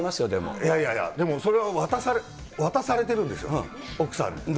いやいやいや、でもそれは渡されてるんですよ、奥さんに。